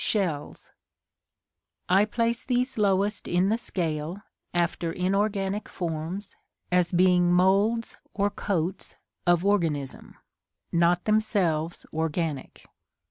Shells. I place these lowest in the scale (after inorganic forms) as being moulds or coats of organism; not themselves organic.